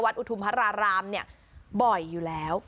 อุทุมพระรารามเนี่ยบ่อยอยู่แล้ว